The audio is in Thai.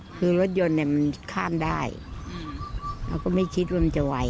คือรถยนต์เนี่ยมันข้ามได้เราก็ไม่คิดว่ามันจะไว